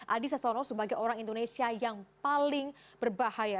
adi sasono sebagai orang indonesia yang paling berbahaya